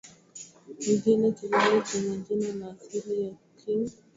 Ni kile kizazi chenye jina la asili ya Qing